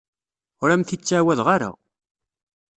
Ur am-t-id-ttɛawadeɣ ara.